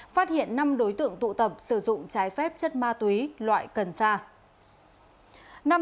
phát hiện năm đối tượng tụ tập sử dụng trái phép chất ma túy loại cần sa